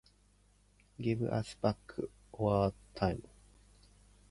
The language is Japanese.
Give us back our time.